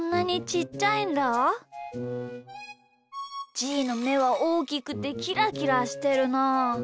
じーのめはおおきくてキラキラしてるなあ。